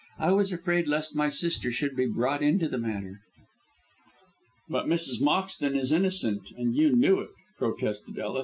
I was afraid lest my sister should be brought into the matter." "But Mrs. Moxton is innocent, and you knew it," protested Ellis.